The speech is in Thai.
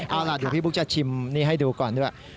เอาล่ะเดี๋ยวพี่บุ๊กจะชิมนี่ให้ดูก่อนด้วย